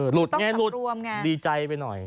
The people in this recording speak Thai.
หลุดแง่หลุดดีใจไปหน่อย